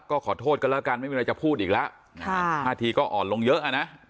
ก็ขอโทษกันแล้วกันไม่มีอะไรจะพูดอีกแล้วท่าทีก็อ่อนลงเยอะอ่ะนะ